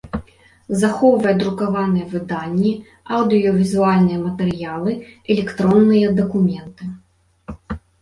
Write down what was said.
Захоўвае друкаваныя выданні, аўдыёвізуальныя матэрыялы, электронныя дакументы.